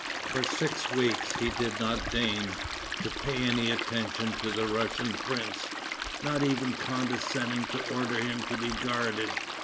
For six weeks he did not deign, to pay any attention to the Russian prince, not even condescending to order him to be guarded.